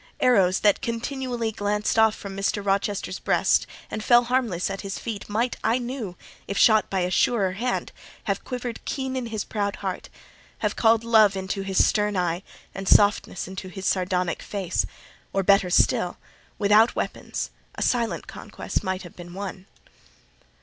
Arrows that continually glanced off from Mr. Rochester's breast and fell harmless at his feet, might, I knew, if shot by a surer hand, have quivered keen in his proud heart—have called love into his stern eye, and softness into his sardonic face; or, better still, without weapons a silent conquest might have been won.